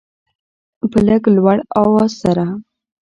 په لږ لوړ اواز سره